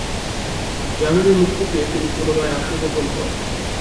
জামিনে মুক্তি পেয়ে তিনি পূনরায় আত্মগোপন করেন।